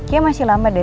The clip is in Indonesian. ya masih lama deh